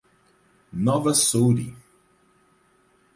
Nova Soure